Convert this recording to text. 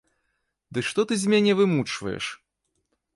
Ды што ты з мяне вымучваеш?